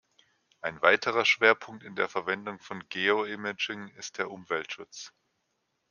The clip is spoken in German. Ein weiterer Schwerpunkt in der Verwendung von Geo-Imaging ist der Umweltschutz.